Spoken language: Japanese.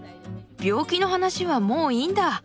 病気の話はもういいんだ。